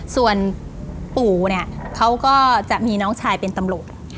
ส่วนปู่เนี่ยเขาก็จะมีน้องชายเป็นตำรวจ